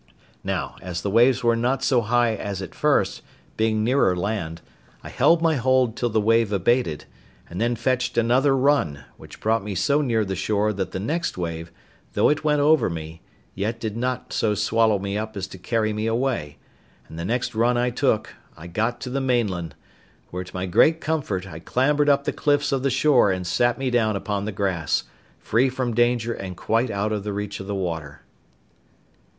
Now, as the waves were not so high as at first, being nearer land, I held my hold till the wave abated, and then fetched another run, which brought me so near the shore that the next wave, though it went over me, yet did not so swallow me up as to carry me away; and the next run I took, I got to the mainland, where, to my great comfort, I clambered up the cliffs of the shore and sat me down upon the grass, free from danger and quite out of the reach of the water.